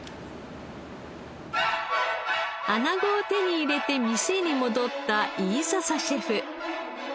アナゴを手に入れて店に戻った飯笹シェフ。